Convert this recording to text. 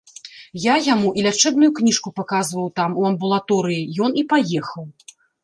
Я яму і лячэбную кніжку паказваў там, у амбулаторыі, ён і паехаў.